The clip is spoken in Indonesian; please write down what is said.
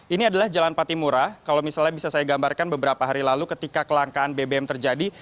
ini adalah jalan patimura kalau misalnya bisa saya gambarkan beberapa hari lalu ketika kelangkaan bbm terjadi